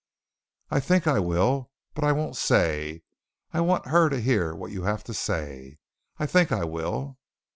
"I think I will, but I won't say. I want her to hear what you have to say. I think I will."